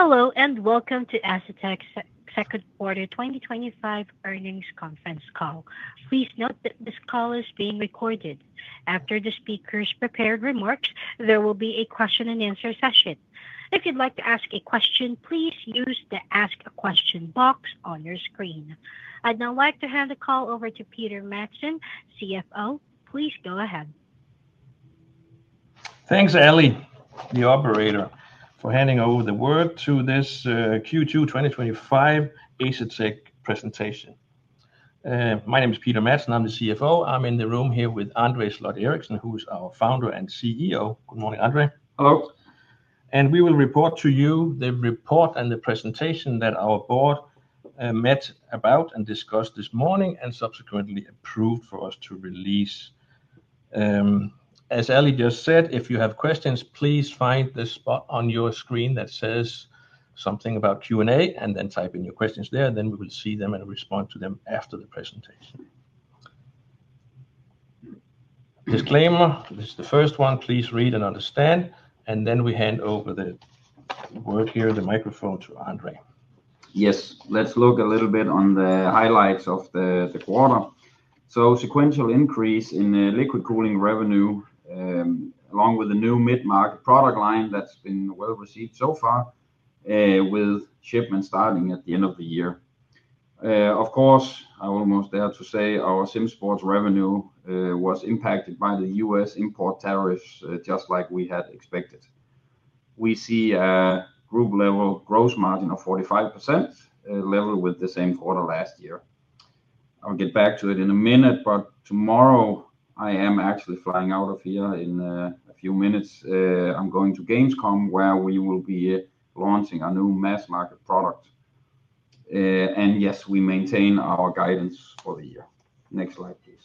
Hello and welcome to Asetek's Second Quarter 2025 Earnings Conference Call. Please note that this call is being recorded. After the speakers' prepared remarks, there will be a question and answer session. If you'd like to ask a question, please use the ask question box on your screen. I'd now like to hand the call over to Peter Madsen, CFO. Please go ahead. Thanks, Ellie, the operator, for handing over the word to this Q2 2025 Asetek presentation. My name is Peter Madsen. I'm the CFO. I'm in the room here with André Sloth Eriksen, who is our founder and CEO. Good morning, André. Hello. We will report to you the report and the presentation that our board met about and discussed this morning and subsequently approved for us to release. As Ellie just said, if you have questions, please find the spot on your screen that says something about Q&A and then type in your questions there, and we will see them and respond to them after the presentation. Disclaimer, this is the first one. Please read and understand. We hand over the word here, the microphone to André. Yes, let's look a little bit on the highlights of the quarter. Sequential increase in liquid cooling revenue, along with the new mid-market product line that's been well received so far, with shipments starting at the end of the year. Of course, I almost dare to say our SimSports revenue was impacted by the U.S. import tariffs, just like we had expected. We see a group level gross margin of 45%, level with the same quarter last year. I'll get back to it in a minute, but tomorrow I am actually flying out of here in a few minutes. I'm going to Gamescom, where we will be launching a new mass-market product. Yes, we maintain our guidance for the year. Next slide, please.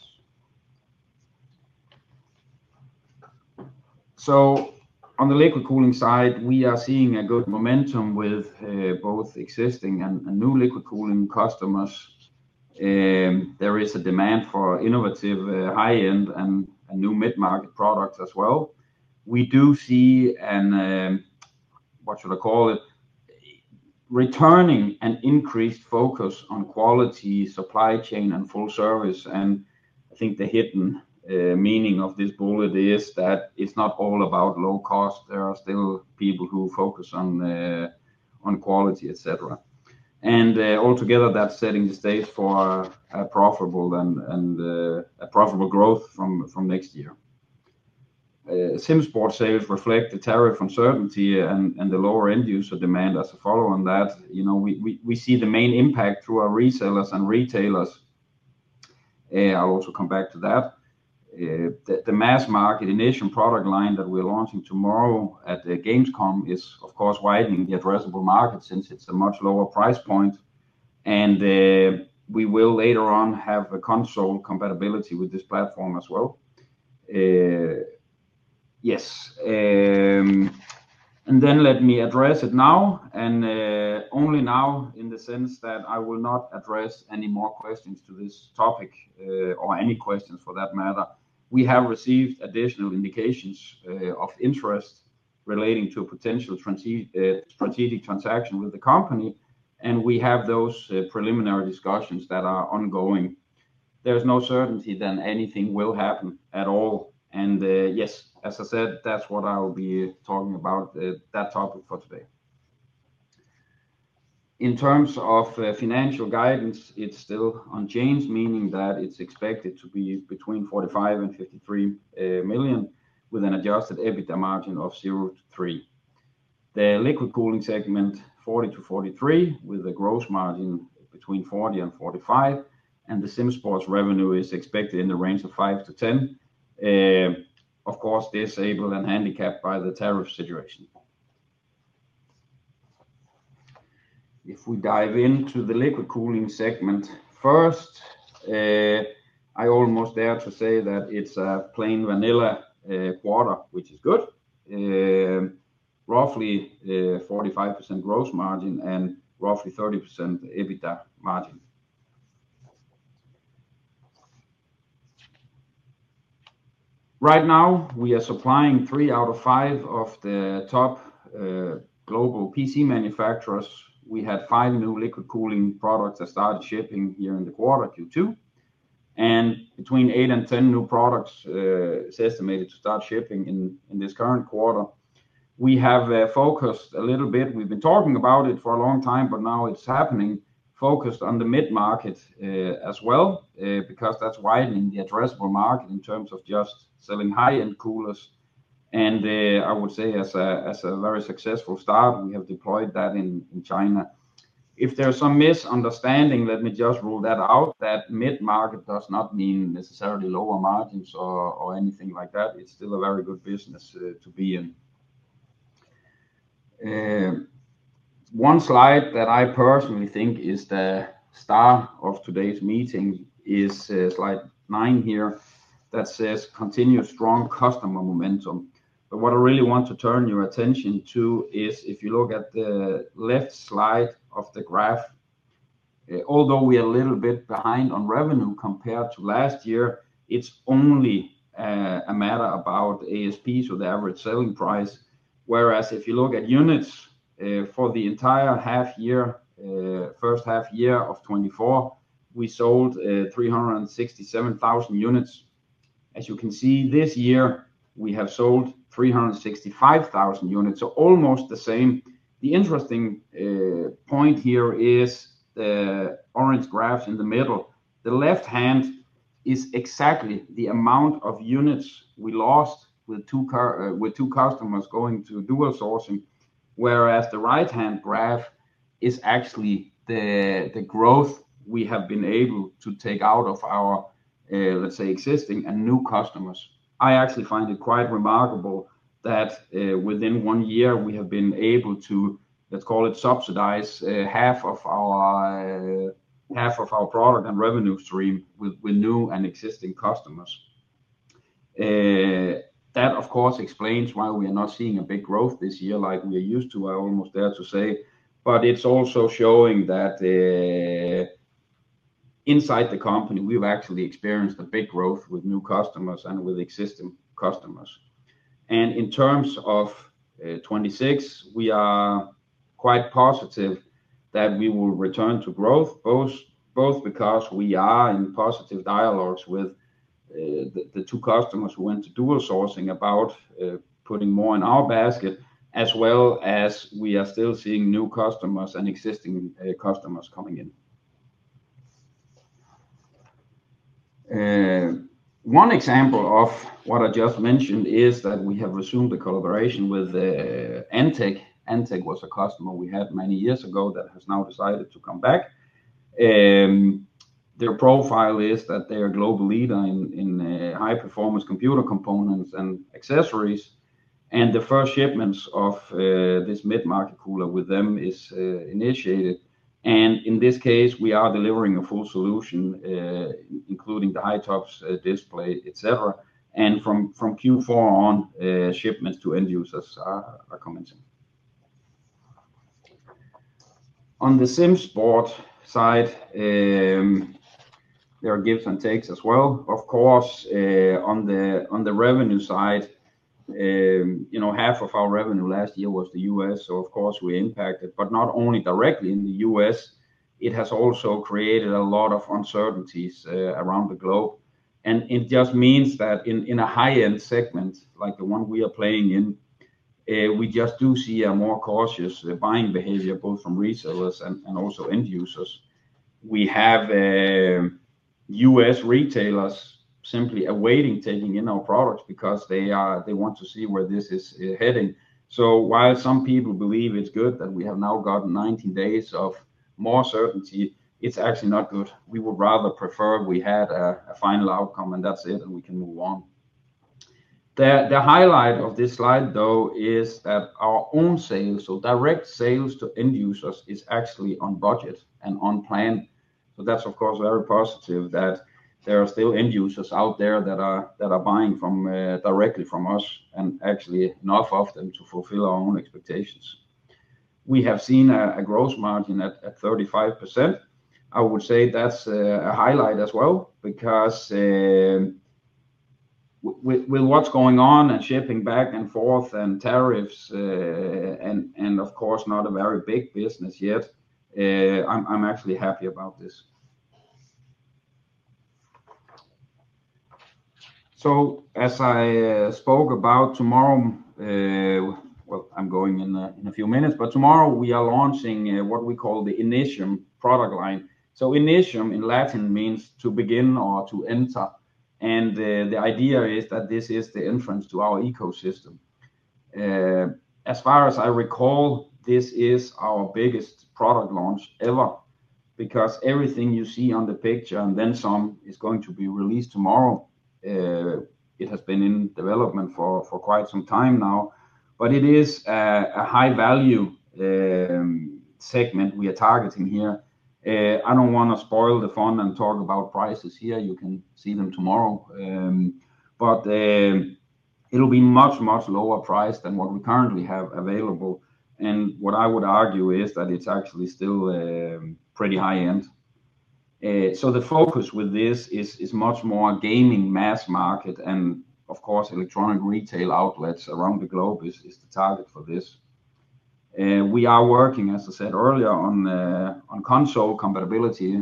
On the liquid cooling side, we are seeing a good momentum with both existing and new liquid cooling customers. There is a demand for innovative high-end and new mid-market products as well. We do see a, what should I call it, returning and increased focus on quality, supply chain, and full service. I think the hidden meaning of this bullet is that it's not all about low cost. There are still people who focus on quality, etc. Altogether, that's setting the stage for a profitable and a profitable growth from next year. SimSports sales reflect the tariff uncertainty and the lower end user demand as a follow on that. We see the main impact to our resellers and retailers. I'll also come back to that. The mass-market initial product line that we're launching tomorrow at Gamescom is, of course, widening the addressable market since it's a much lower price point. We will later on have a console compatibility with this platform as well. Let me address it now, and only now in the sense that I will not address any more questions to this topic or any questions for that matter. We have received additional indications of interest relating to a potential strategic transaction with the company, and we have those preliminary discussions that are ongoing. There's no certainty that anything will happen at all. As I said, that's what I'll be talking about, that topic for today. In terms of financial guidance, it's still unchanged, meaning that it's expected to be between $45 million and $53 million with an adjusted EBITDA margin of 0%-3%. The liquid cooling segment, $40 million-$43 million, with a gross margin between 40% and 45%, and the SimSports revenue is expected in the range of $5 million-$10 million. Of course, disabled and handicapped by the tariff situation. If we dive into the liquid cooling segment first, I almost dare to say that it's a plain vanilla quarter, which is good. Roughly 45% gross margin and roughly 30% EBITDA margin. Right now, we are supplying three out of five of the top global PC manufacturers. We had five new liquid cooling products that started shipping here in the quarter Q2, and between 8 and 10 new products are estimated to start shipping in this current quarter. We have focused a little bit, we've been talking about it for a long time, but now it's happening, focused on the mid-market as well, because that's widening the addressable market in terms of just selling high-end coolers. I would say as a very successful start, we have deployed that in China. If there's some misunderstanding, let me just rule that out, that mid-market does not mean necessarily lower margins or anything like that. It's still a very good business to be in. One slide that I personally think is the star of today's meeting is slide nine here that says continue strong customer momentum. What I really want to turn your attention to is if you look at the left slide of the graph, although we are a little bit behind on revenue compared to last year, it's only a matter about the ASP, so the average selling price. Whereas if you look at units for the entire half year, first half year of 2024, we sold 367,000 units. As you can see, this year we have sold 365,000 units, so almost the same. The interesting point here is the orange graphs in the middle. The left hand is exactly the amount of units we lost with two customers going to dual sourcing, whereas the right-hand graph is actually the growth we have been able to take out of our, let's say, existing and new customers. I actually find it quite remarkable that within one year we have been able to, let's call it subsidize, half of our product and revenue stream with new and existing customers. That, of course, explains why we are not seeing a big growth this year like we are used to, I almost dare to say. It is also showing that inside the company, we've actually experienced a big growth with new customers and with existing customers. In terms of 2026, we are quite positive that we will return to growth, both because we are in positive dialogues with the two customers who went to dual sourcing about putting more in our basket, as well as we are still seeing new customers and existing customers coming in. One example of what I just mentioned is that we have resumed the collaboration with Antec. Antec was a customer we had many years ago that has now decided to come back. Their profile is that they are a global leader in high-performance computer components and accessories, and the first shipments of this mid-market cooler with them are initiated. In this case, we are delivering a full solution, including the high-top display, etc. From Q4 on, shipments to end users are coming soon. On the SimSports side, there are gives and takes as well. Of course, on the revenue side, you know, half of our revenue last year was the U.S., so of course we are impacted, but not only directly in the U.S., it has also created a lot of uncertainties around the globe. It just means that in a high-end segment, like the one we are playing in, we do see a more cautious buying behavior both from resellers and also end users. We have U.S. retailers simply awaiting taking in our products because they want to see where this is heading. While some people believe it's good that we have now gotten 19 days of more certainty, it's actually not good. We would rather prefer we had a final outcome, and that's it, and we can move on. The highlight of this slide, though, is that our own sales, so direct sales to end users, are actually on budget and on plan. That's, of course, very positive that there are still end users out there that are buying directly from us and actually enough of them to fulfill our own expectations. We have seen a gross margin at 35%. I would say that's a highlight as well because with what's going on and shipping back and forth and tariffs, and of course, not a very big business yet, I'm actually happy about this. As I spoke about, tomorrow we are launching what we call the Initium product line. Initium in Latin means to begin or to enter. The idea is that this is the entrance to our ecosystem. As far as I recall, this is our biggest product launch ever because everything you see on the picture, and then some, is going to be released tomorrow. It has been in development for quite some time now. It is a high-value segment we are targeting here. I don't want to spoil the fun and talk about prices here. You can see them tomorrow. It'll be much, much lower priced than what we currently have available. What I would argue is that it's actually still pretty high-end. The focus with this is much more gaining mass market and, of course, electronic retail outlets around the globe is the target for this. We are working, as I said earlier, on console compatibility,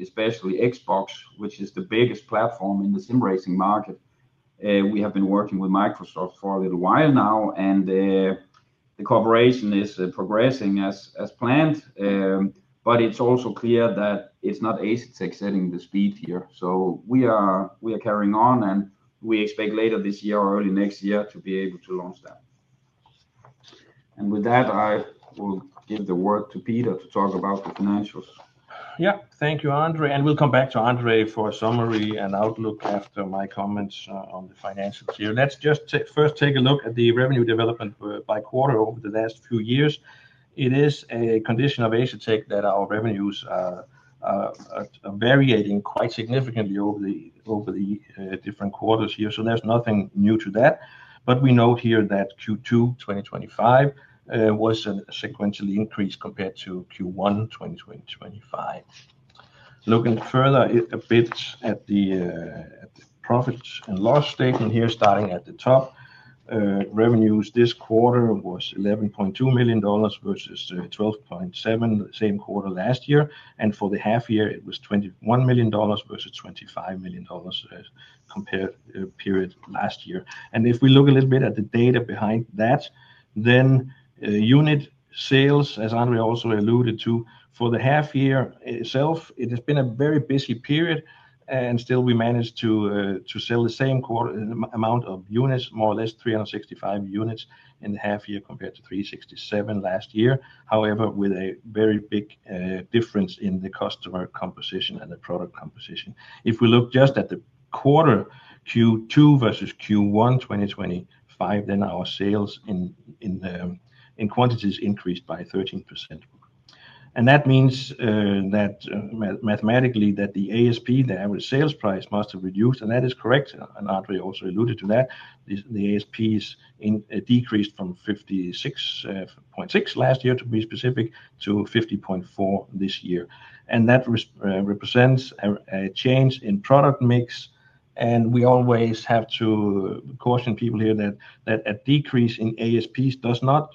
especially Xbox, which is the biggest platform in the sim racing market. We have been working with Microsoft for a little while now, and the cooperation is progressing as planned. It is also clear that it's not Asetek setting the speed here. We are carrying on, and we expect later this year or early next year to be able to launch that. With that, I will give the word to Peter to talk about the financials. Yeah, thank you, André. We'll come back to André for a summary and outlook after my comments on the financials here. Let's just first take a look at the revenue development by quarter over the last few years. It is a condition of Asetek that our revenues are variating quite significantly over the different quarters here. There's nothing new to that. We note here that Q2 2025 was a sequentially increased compared to Q1 2025. Looking further a bit at the profits and loss statement here, starting at the top, revenues this quarter were $11.2 million versus $12.7 million same quarter last year. For the half year, it was $21 million versus $25 million compared to the period last year. If we look a little bit at the data behind that, then unit sales, as André also alluded to, for the half year itself, it has been a very busy period. Still, we managed to sell the same quarter amount of units, more or less 365 units in the half year compared to 367 last year. However, with a very big difference in the customer composition and the product composition. If we look just at the quarter Q2 versus Q1 2025, then our sales in quantities increased by 13%. That means that mathematically the ASP, the average selling price, must have reduced. That is correct, and André also alluded to that. The ASP is decreased from $56.6 last year, to be specific, to $50.4 this year. That represents a change in product mix. We always have to caution people here that a decrease in ASPs does not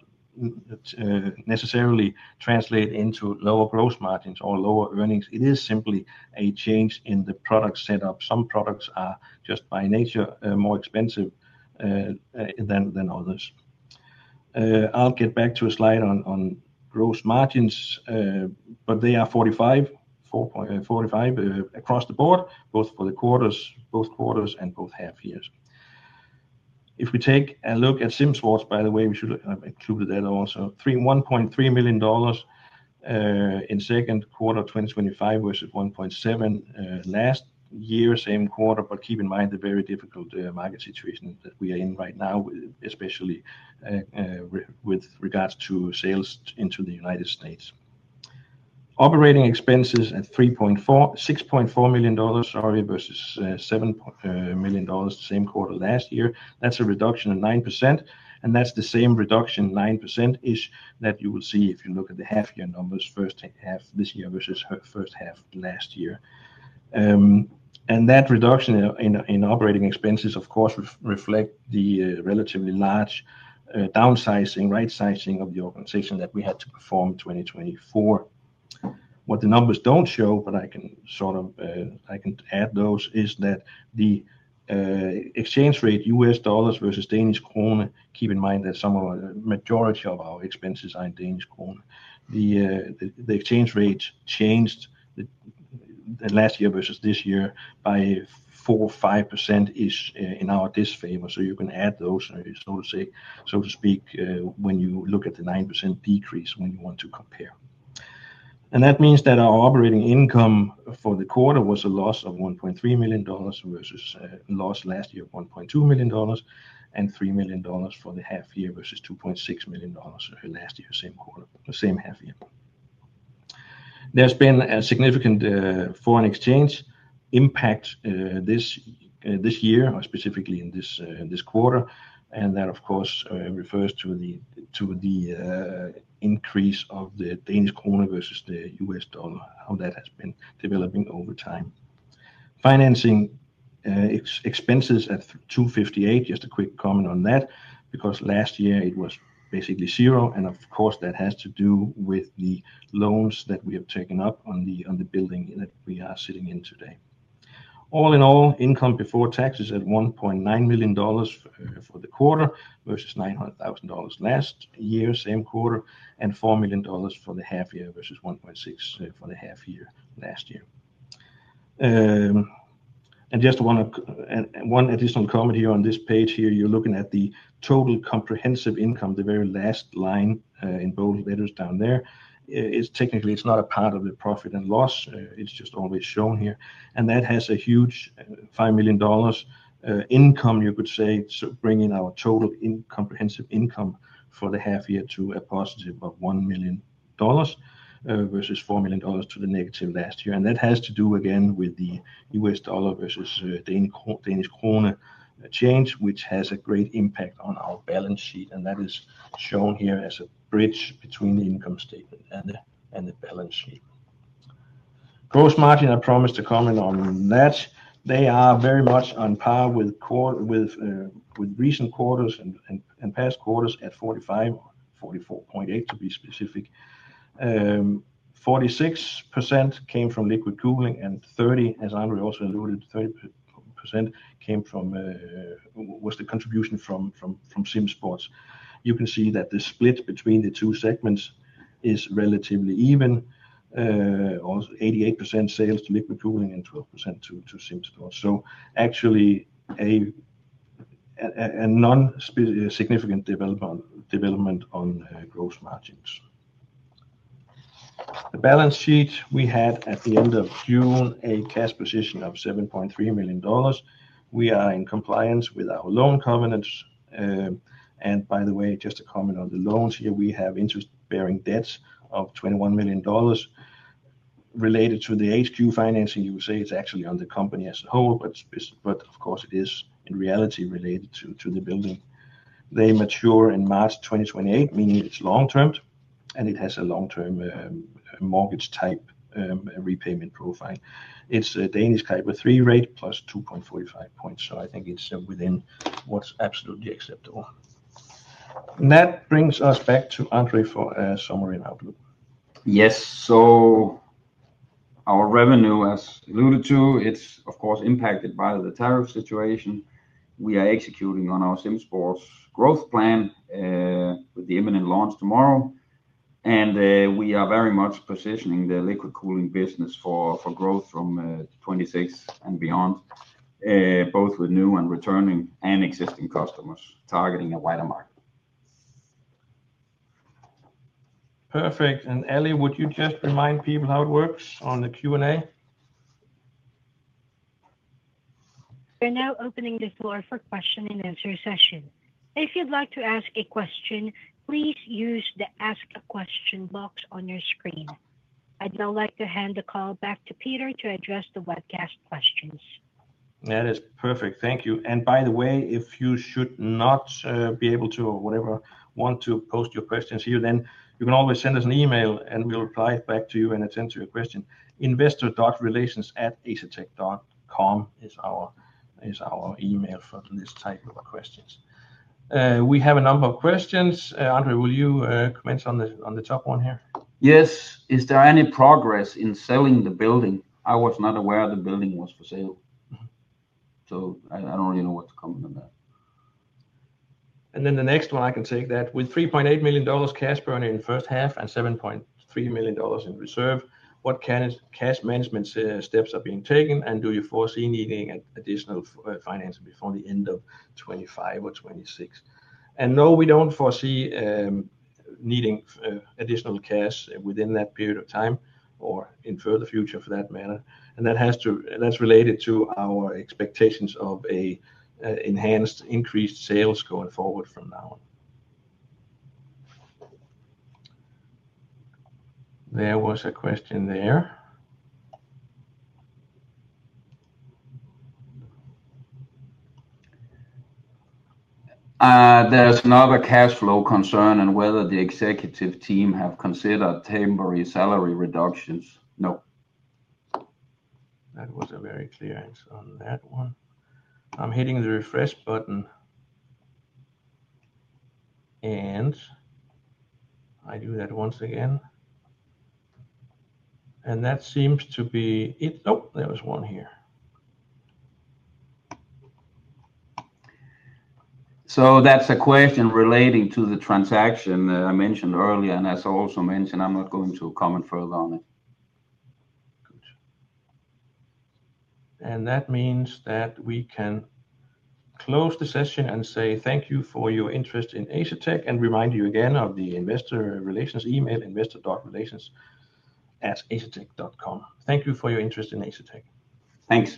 necessarily translate into lower gross margins or lower earnings. It is simply a change in the product setup. Some products are just by nature more expensive than others. I'll get back to a slide on gross margins, but they are 45% across the board, both for the quarters, both quarters, and both half years. If we take a look at SimSports, by the way, we should have included that also, $1.3 million in second quarter 2025 versus $1.7 million last year, same quarter. Keep in mind the very difficult market situation that we are in right now, especially with regards to sales into the United States. Operating expenses at $3.4 million, $6.4 million, sorry, versus $7 million, same quarter last year. That's a reduction of 9%. That's the same reduction, 9%, that you will see if you look at the half-year numbers, first half this year versus first half last year. That reduction in operating expenses, of course, reflects the relatively large downsizing, right-sizing of the organization that we had to perform in 2024. What the numbers don't show, but I can add those, is that the exchange rate, U.S. dollars versus Danish krone. Keep in mind that some of our majority of our expenses are in Danish krone. The exchange rates changed last year versus this year by 4% or 5% in our disfavor. You can add those, so to speak, when you look at the 9% decrease when you want to compare. That means that our operating income for the quarter was a loss of $1.3 million versus a loss last year of $1.2 million and $3 million for the half year versus $2.6 million last year, same quarter, same half year. There has been a significant foreign exchange impact this year, or specifically in this quarter, and that, of course, refers to the increase of the Danish krone versus the U.S. dollar, how that has been developing over time. Financing expenses at $258,000, just a quick comment on that, because last year it was basically zero, and of course that has to do with the loans that we have taken up on the building that we are sitting in today. All in all, income before taxes at $1.9 million for the quarter versus $900,000 last year, same quarter, and $4 million for the half year versus $1.6 million for the half year last year. Just one additional comment here on this page here, you're looking at the total comprehensive income, the very last line in bold letters down there. It's technically, it's not a part of the profit and loss, it's just always shown here. That has a huge $5 million income, you could say, bringing our total comprehensive income for the half year to a positive of $1 million versus $4 million to the negative last year. That has to do again with the U.S. dollar versus Danish krone change, which has a great impact on our balance sheet. That is shown here as a bridge between the income statement and the balance sheet. Gross margin, I promised to comment on that. They are very much on par with recent quarters and past quarters at 45%, 44.8% to be specific. 46% came from liquid cooling and 30%, as André also alluded, 30% was the contribution from SimSports. You can see that the split between the two segments is relatively even, or 88% sales to liquid cooling and 12% to SimSports. Actually, a non-significant development on gross margins. The balance sheet we had at the end of June, a cash position of $7.3 million. We are in compliance with our loan covenants. By the way, just a comment on the loans here, we have interest-bearing debts of $21 million related to the HQ financing. You would say it's actually on the company as a whole, but of course it is in reality related to the building. They mature in March 2028, meaning it's long-term, and it has a long-term mortgage type repayment profile. It's a Danish Type III rate plus 2.45 points. I think it's within what's absolutely acceptable. That brings us back to André for a summary and outlook. Yes, our revenue, as alluded to, it's of course impacted by the tariff situation. We are executing on our SimSports growth plan with the imminent launch tomorrow. We are very much positioning the liquid cooling business for growth from 2026 and beyond, both with new and returning and existing customers targeting a wider market. Perfect. Ellie, would you just remind people how it works on the Q&A? We're now opening the floor for question and answer session. If you'd like to ask a question, please use the ask question box on your screen. I'd now like to hand the call back to Peter to address the webcast questions. That is perfect. Thank you. If you should not be able to or want to post your questions here, you can always send us an email and we'll reply back to you and attend to your question. Investor.relations@asetek.com is our email for this type of questions. We have a number of questions. André, will you comment on the top one here? Yes. Is there any progress in selling the building? I was not aware the building was for sale, so I don't really know what to comment on that. The next one, I can take that. With $3.8 million cash burn in the first half and $7.3 million in reserve, what cash management steps are being taken and do you foresee needing additional financing before the end of 2025 or 2026? No, we don't foresee needing additional cash within that period of time or in the future for that matter. That is related to our expectations of an enhanced increased sales going forward from now on. There was a question there. There's not a cash flow concern, and whether the executive team have considered temporary salary reductions. No. That was a very clear answer on that one. I'm hitting the refresh button. I do that once again. That seems to be it. Nope, there was one here. That is a question relating to the transaction that I mentioned earlier. As I also mentioned, I'm not going to comment further on it. That means that we can close the session and say thank you for your interest in Asetek and remind you again of the investor relations email, investor.relations@asetek.com. Thank you for your interest in Asetek. Thanks.